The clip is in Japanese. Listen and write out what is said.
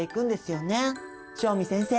汐見先生